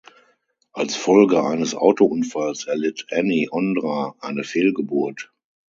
Als Folge eines Autounfalls erlitt Anny Ondra eine Fehlgeburt.